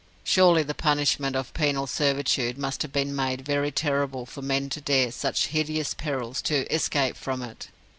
Surely the punishment of "penal servitude" must have been made very terrible for men to dare such hideous perils to escape from it.